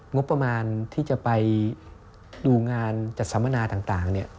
งบประมาณที่จะไปดูงานจัดสัมมนาต่าง